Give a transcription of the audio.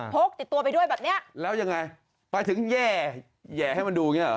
พกติดตัวไปด้วยแบบเนี้ยแล้วยังไงไปถึงแย่แห่ให้มันดูอย่างเงี้หรอ